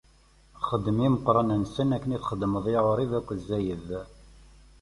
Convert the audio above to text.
Xdem i yimeqqranen-nsen akken i txedmeḍ i Ɛurib akked Zayb.